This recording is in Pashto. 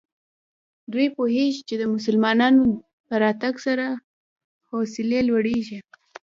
دوی پوهېږي چې د مسلمانانو په راتګ سره حوصلې لوړېږي.